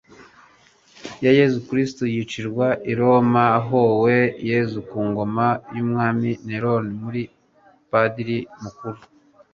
ya yezu kristu yicirwa i roma ahowe yezu ku ngoma y'umwami neron muri padiri mukuru